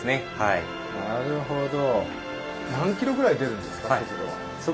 あなるほど。